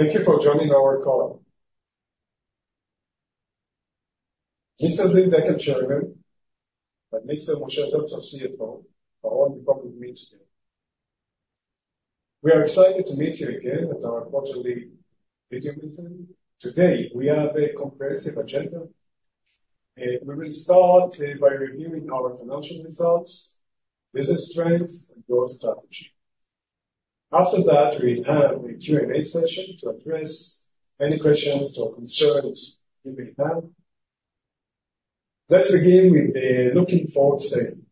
Thank you for joining our call. Mr. Ziv Dekel, Chairman, and Mr. Moshe Zeltzer, CFO, are all here with me today. We are excited to meet you again at our quarterly meeting with you. Today, we have a comprehensive agenda. We will start by reviewing our financial results, business trends, and growth strategy. After that, we'll have a Q&A session to address any questions or concerns you may have. Let's begin with the looking forward statement.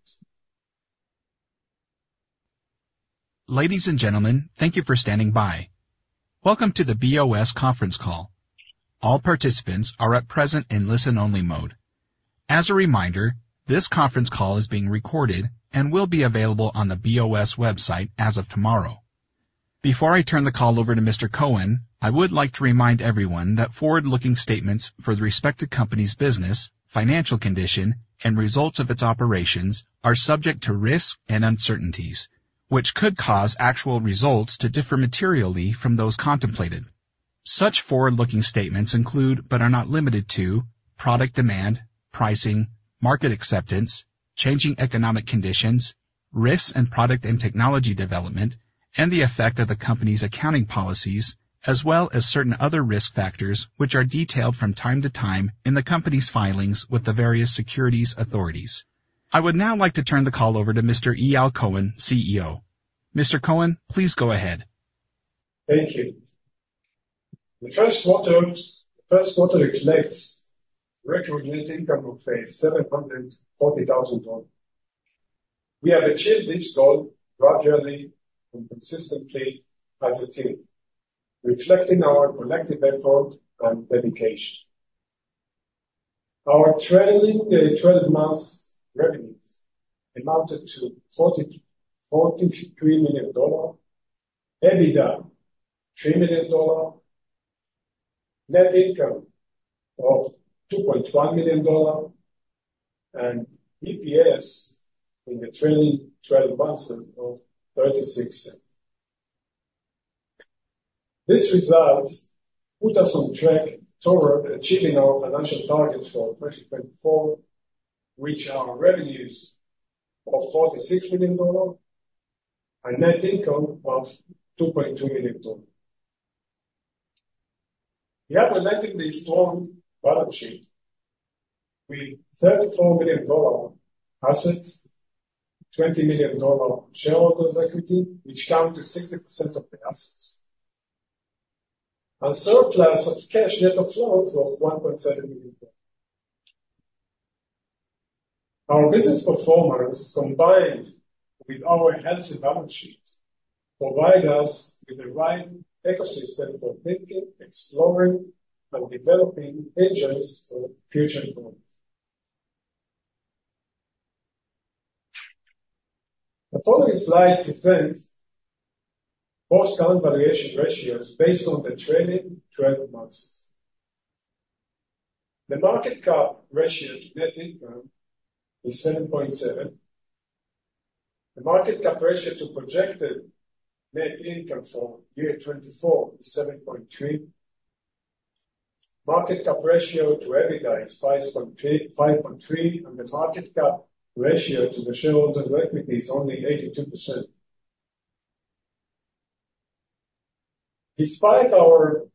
Ladies and gentlemen, thank you for standing by. Welcome to the BOS conference call. All participants are at present in listen-only mode. As a reminder, this conference call is being recorded and will be available on the BOS website as of tomorrow. Before I turn the call over to Mr. Cohen, I would like to remind everyone that forward-looking statements for the respective company's business, financial condition, and results of its operations are subject to risks and uncertainties, which could cause actual results to differ materially from those contemplated. Such forward-looking statements include, but are not limited to, product demand, pricing, market acceptance, changing economic conditions, risks and product and technology development, and the effect of the company's accounting policies, as well as certain other risk factors, which are detailed from time to time in the company's filings with the various securities authorities. I would now like to turn the call over to Mr. Eyal Cohen, CEO. Mr. Cohen, please go ahead. Thank you. The first quarter reflects record net income of $740,000. We have achieved this goal gradually and consistently as a team, reflecting our collective effort and dedication. Our trailing twelve months revenues amounted to $43 million, EBITDA $3 million, net income of $2.1 million, and EPS in the trailing twelve months of $0.36. These results put us on track toward achieving our financial targets for 2024, which are revenues of $46 million and net income of $2.2 million. We have a relatively strong balance sheet, with $34 million assets, $20 million shareholders equity, which come to 60% of the assets, and surplus of cash net of loans of $1.7 million. Our business performance, combined with our healthy balance sheet, provide us with the right ecosystem for thinking, exploring, and developing engines for future growth. The following slide presents both current valuation ratios based on the trailing twelve months. The market cap ratio to net income is 7.7. The market cap ratio to projected net income for year 2024 is 7.3. Market cap ratio to EBITDA is 5.3, 5.3, and the market cap ratio to the shareholders' equity is only 82%. Despite our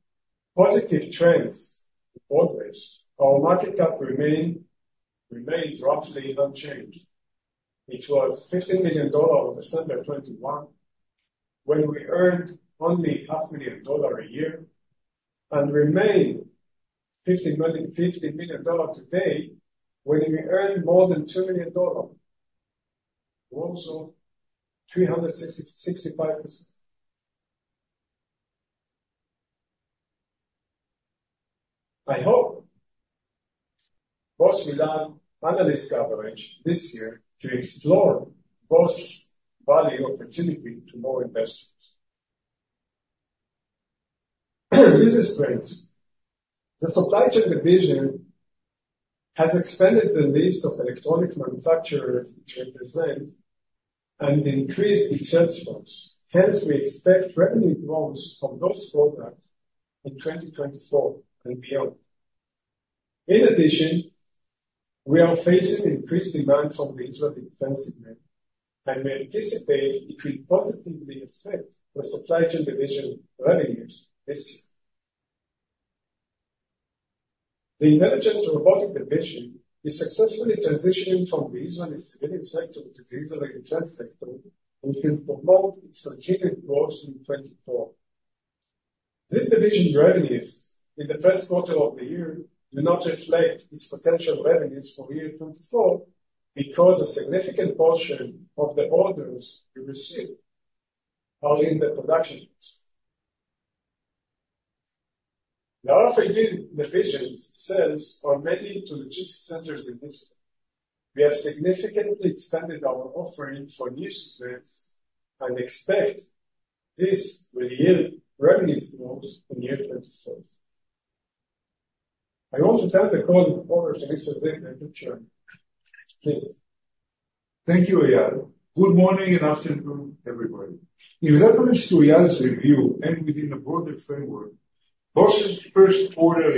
positive trends progress, our market cap remain, remains roughly unchanged, which was $15 million on December 2021, when we earned only $500,000 a year, and remain $15 million, $15 million today, when we earn more than $2 million, also 366.5%. I hope BOS will run analyst coverage this year to explore BOS value opportunity to more investors. Business trends. The Supply Chain Division has expanded the list of electronic manufacturers it represent and increased its sales force. Hence, we expect revenue growth from those products in 2024 and beyond. In addition, we are facing increased demand from the Israeli defense segment, and we anticipate it will positively affect the Supply Chain Division revenues this year. The Intelligent Robotic Division is successfully transitioning from the Israeli civilian sector to the Israeli defense sector, and we can promote its continued growth in 2024. This division revenues in the first quarter of the year do not reflect its potential revenues for year 2024, because a significant portion of the orders we receive are in the production. The RFID Division's sales are mainly to logistic centers in Israel. We have significantly expanded our offering for new segments and expect this will yield revenue growth in year 2024. I also have the co-founder, Mr. Zvi, in the future. Please. Thank you, Eyal. Good morning and afternoon, everybody. In reference to Eyal's review and within a broader framework, BOS's first quarter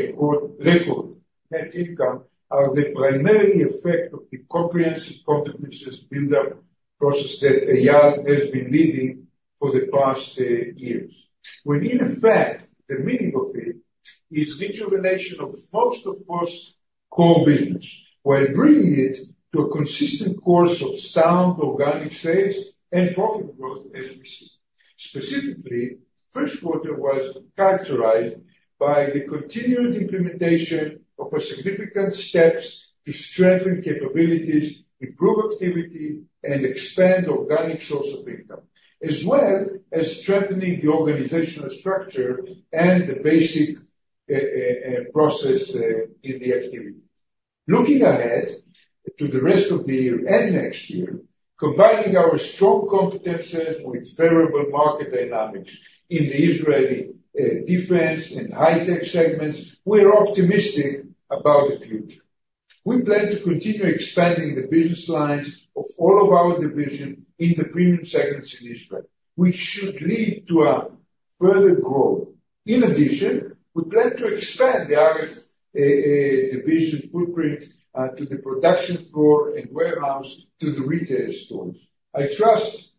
record net income is the primary effect of the comprehensive competencies build-up process that Eyal has been leading for the past years. When in fact, the meaning of it is rejuvenation of most, of course, core business, while bringing it to a consistent course of sound, organic sales and profit growth, as we see. Specifically, first quarter was characterized by the continued implementation of a significant steps to strengthen capabilities, improve activity, and expand organic source of income, as well as strengthening the organizational structure and the basic process in the activity. Looking ahead to the rest of the year and next year, combining our strong competencies with variable market dynamics in the Israeli defense and high tech segments, we are optimistic about the future. We plan to continue expanding the business lines of all of our division in the premium segments in Israel, which should lead to a further growth. In addition, we plan to expand the RF division footprint to the production floor and warehouse, to the retail stores. I trust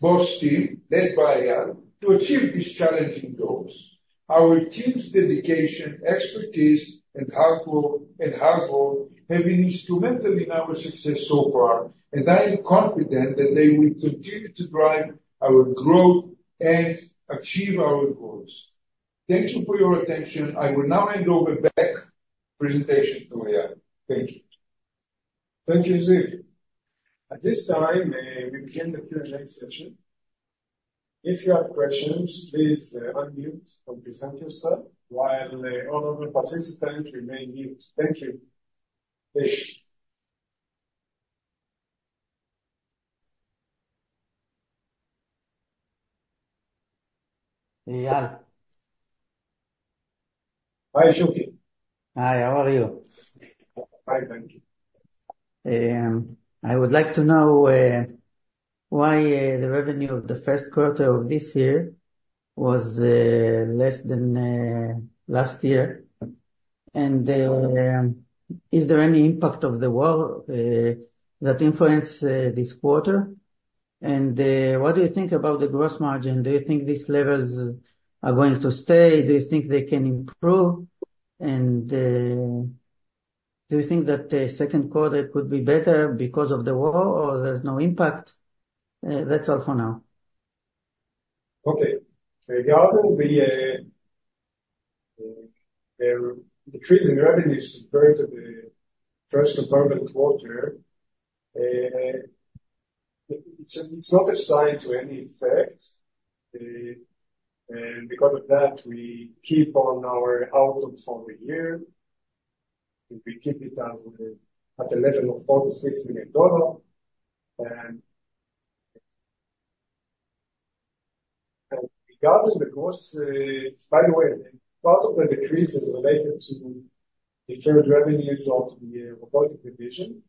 BOS team, led by Eyal, to achieve these challenging goals. Our team's dedication, expertise, and hard work, and hard work have been instrumental in our success so far, and I am confident that they will continue to drive our growth and achieve our goals. Thank you for your attention. I will now hand over back presentation to Eyal. Thank you. Thank you, Zvi. At this time, we begin the Q&A session. If you have questions, please, unmute and present yourself, while the other participants remain mute. Thank you. Eyal? Hi, Shuki. Hi, how are you? Fine, thank you. I would like to know why the revenue of the first quarter of this year was less than last year? And, is there any impact of the war that influence this quarter? And, what do you think about the gross margin? Do you think these levels are going to stay? Do you think they can improve? And, do you think that the second quarter could be better because of the war, or there's no impact? That's all for now. Okay. Regarding the decrease in revenue compared to the first quarter, it's not a sign to any effect. And because of that, we keep on our outlook for the year. We keep it as at a level of $4 million-$6 million. And regarding the gross. By the way, part of the decrease is related to deferred revenues of the Robotic Division,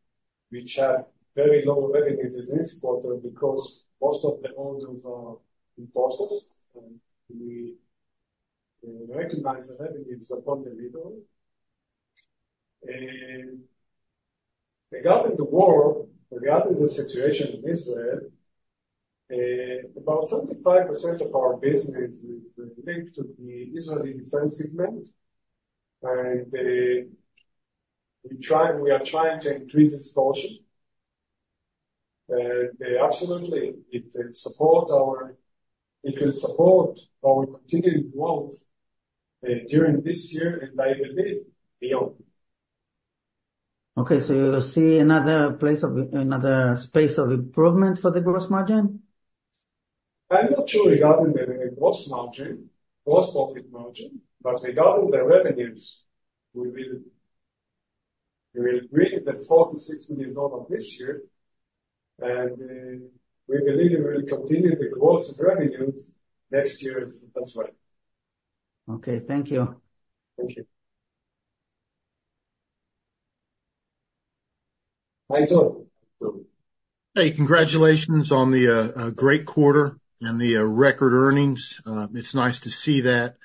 which had very low revenues in this quarter because most of the orders are in process, and we recognize the revenues upon delivery. And regarding the war, regarding the situation in Israel, about 75% of our business is linked to the Israeli defense segment, and we are trying to increase this portion. Absolutely, it will support our continued growth during this year, and I believe beyond. Okay, so you see another space of improvement for the gross margin? I'm not sure regarding the gross margin, gross profit margin, but regarding the revenues, we will, we will bring $4 million-$6 million this year, and we believe we will continue the growth revenues next year as well. Okay. Thank you. Thank you. Hi, Todd Felte. Todd Felte. Hey, congratulations on the great quarter and the record earnings. It's nice to see that.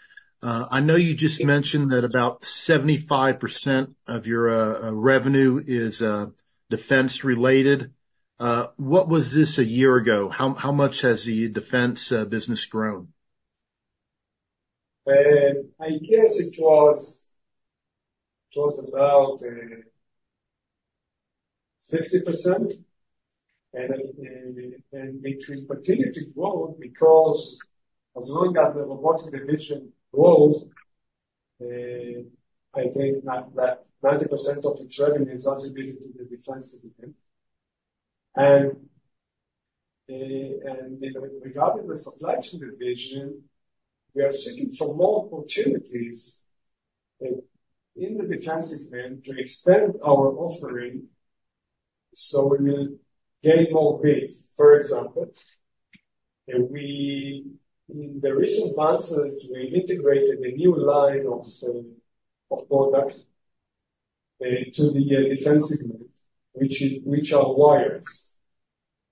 I know you just mentioned that about 75% of your revenue is defense-related. What was this a year ago? How much has the defense business grown? I guess it was about 60%. And it will continue to grow because as long as the Robotic Division grows, I think that 90% of its revenue is attributed to the defense segment. And regarding the Supply Chain Division, we are seeking for more opportunities in the defense segment to expand our offering. So we will get more bids. For example, in the recent months, as we integrated a new line of product to the defense segment, which are wires.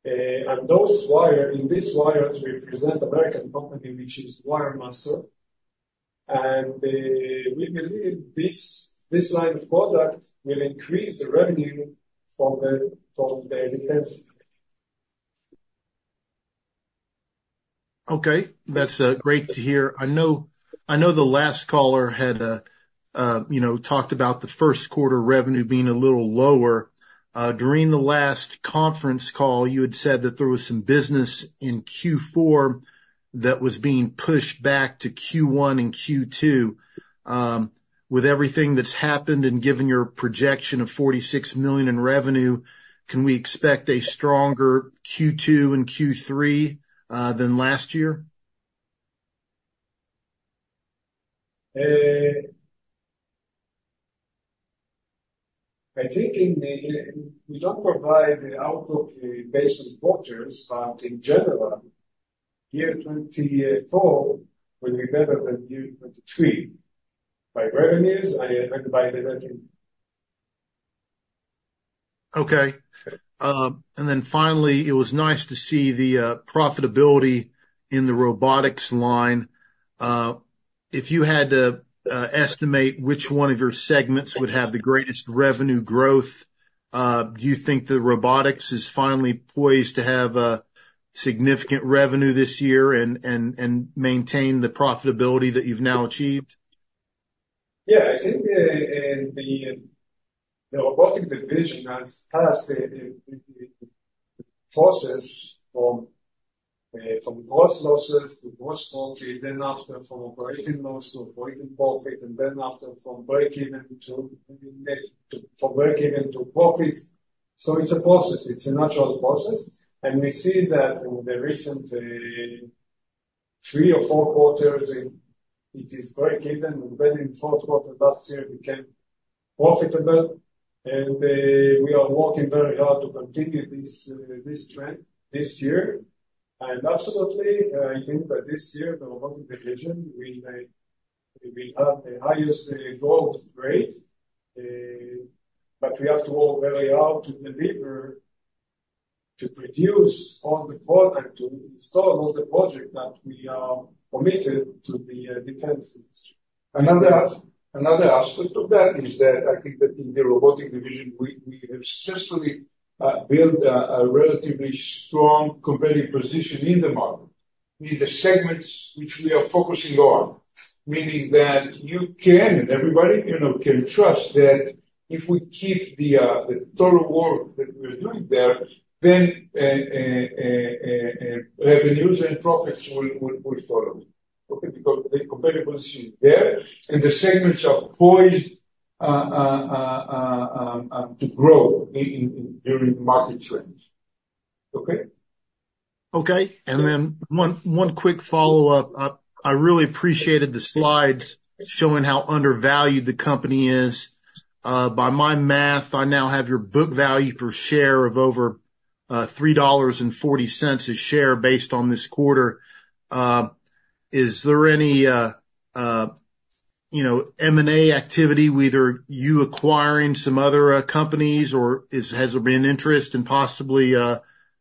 And those wires, in these wires, we represent American company, which is WireMasters. And we believe this line of product will increase the revenue from the defense. Okay, that's great to hear. I know, I know the last caller had, you know, talked about the first quarter revenue being a little lower. During the last conference call, you had said that there was some business in Q4 that was being pushed back to Q1 and Q2. With everything that's happened, and given your projection of $46 million in revenue, can we expect a stronger Q2 and Q3 than last year? I think in the we don't provide the outlook based on quarters, but in general, year 2024 will be better than year 2023, by revenues and by the revenue. Okay. And then finally, it was nice to see the profitability in the robotics line. If you had to estimate which one of your segments would have the greatest revenue growth, do you think the robotics is finally poised to have a significant revenue this year and maintain the profitability that you've now achieved? Yeah, I think, in the robotic division has a process from gross losses to gross profit, then after from operating loss to operating profit, and then after from breakeven to net, to, from breakeven to profit. So it's a process. It's a natural process, and we see that in the recent three or four quarters, it is breakeven, and then in fourth quarter last year, became profitable. And we are working very hard to continue this trend this year. And absolutely, I think that this year, the robotic division, we may, we have the highest growth rate, but we have to work very hard to deliver, to produce all the product, to install all the project that we are committed to the defense industry. Another aspect of that is that I think that in the Robotic Division, we have successfully built a relatively strong competitive position in the market, in the segments which we are focusing on. Meaning that you can, and everybody, you know, can trust that if we keep the total work that we're doing there, then revenues and profits will follow. Okay? Because the competitive is there, and the segments are poised to grow during market trends. Okay? Okay. And then one quick follow-up. I really appreciated the slides showing how undervalued the company is. By my math, I now have your book value per share of over $3.40 a share based on this quarter. Is there any, you know, M&A activity, whether you acquiring some other companies, or has there been interest in possibly, you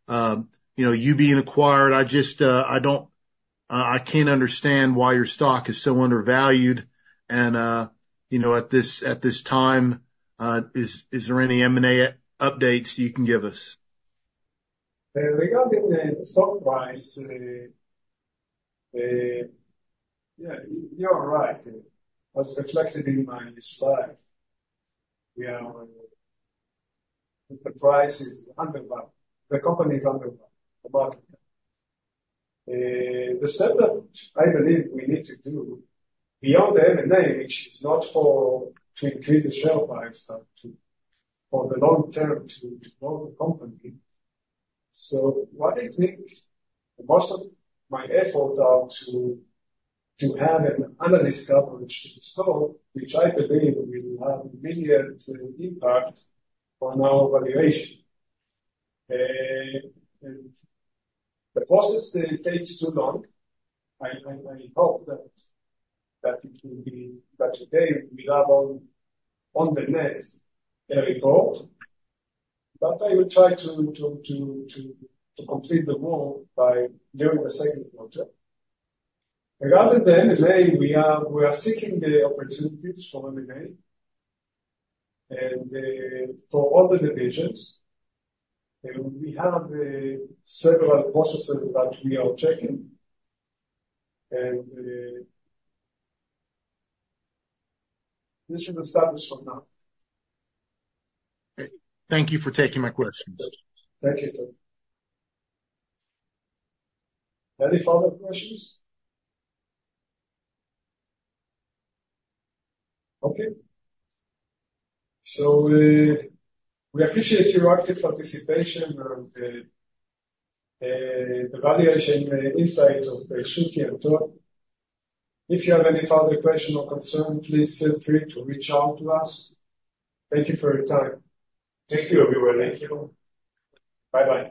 know, you being acquired? I just, I don't, I can't understand why your stock is so undervalued, and, you know, at this time, is there any M&A updates you can give us? Regarding the stock price, yeah, you're right. As reflected in my slide, the price is undervalued. The company is undervalued, the market. The step that I believe we need to do beyond the M&A, which is not for to increase the share price, but to for the long term to grow the company. So what I think, most of my efforts are to have an analyst coverage installed, which I believe will have immediate impact on our valuation. The process takes too long. I hope that it will be that today we have on the next report, but I will try to complete the work by during the second quarter. Regarding the M&A, we are seeking the opportunities for M&A, and for all the divisions. We have several processes that we are checking, and this is the status for now. Thank you for taking my questions. Thank you. Any further questions? Okay. So, we appreciate your active participation and the valuation insight of Shuki and Toby. If you have any further question or concern, please feel free to reach out to us. Thank you for your time. Thank you, everyone. Thank you. Bye-bye.